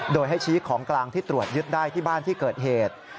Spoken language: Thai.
โดยให้ชี้ของกลางที่ตรวจยึดได้ที่บ้านที่เกิดเหตุ